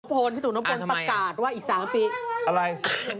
พี่ตุ๊กโน้มบนประกาศว่าอีก๓ปี